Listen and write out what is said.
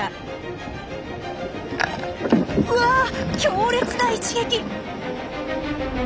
うわあ強烈な一撃！